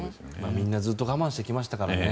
みんな、ずっと我慢してきましたからね。